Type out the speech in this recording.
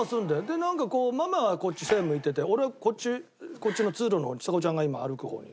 なんかこうママはこっち背向いてて俺はこっちこっちの通路のちさ子ちゃんが今歩く方に。